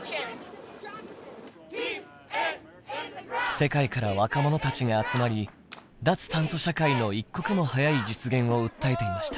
世界から若者たちが集まり脱炭素社会の一刻も早い実現を訴えていました。